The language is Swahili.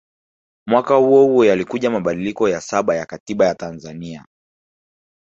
Mwaka huohuo yalikuja mabadiliko ya saba ya Katiba ya Tanzania